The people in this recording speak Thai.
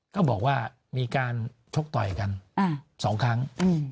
ก็บอกว่ามีการชกต่อยกัน๒ครั้ง